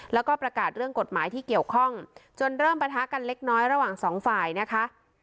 แล้วก็ประกาศเรื่องกฎหมายที่เกี่ยวข้องจนเริ่มปะทะกันเล็กน้อยระหว่างสองฝ่ายนะคะ